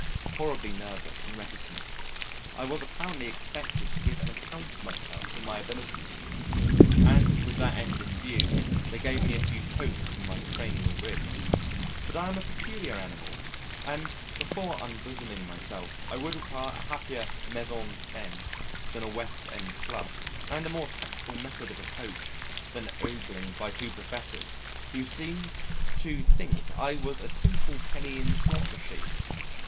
Horribly nervous and reticent. I was apparently expected to give an account of myself and my abilities and with that end in view, they gave me a few pokes in my cranial ribs. But I am a peculiar animal, and, before unbosoming myself, I would require a happier mise en scène than a West End Club, and a more tactful method of approach than ogling by two professors, who seemed to think I was a simple penny in the slot machine.